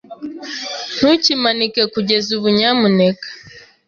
Ntukimanike kugeza ubu, nyamuneka.